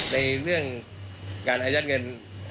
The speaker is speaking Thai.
ในเรื่องการอายัดเงิน